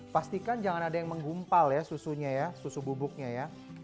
pastikan jangan ada yang menggumpal ya susunya ya susu bubuknya ya